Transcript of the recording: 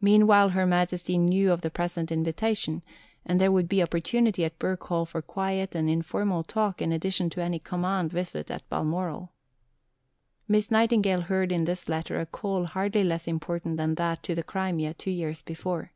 Meanwhile Her Majesty knew of the present invitation; and there would be opportunity at Birk Hall for quiet and informal talk in addition to any "command" visit at Balmoral. Miss Nightingale heard in this letter a call hardly less important than that to the Crimea, two years before.